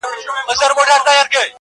ته پاچا یې خدای درکړی سلطنت دئ،